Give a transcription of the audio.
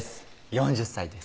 ４０歳です